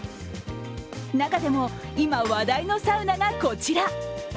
中でも、今、話題のサウナがこちら。